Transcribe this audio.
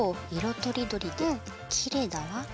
とりどりできれいだわ。